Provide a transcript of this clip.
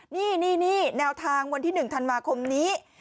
นี่แนวทางวันที่๑ธันวาคมนี้